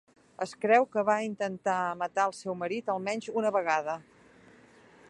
Es creu que va intentar matar el seu marit almenys una vegada.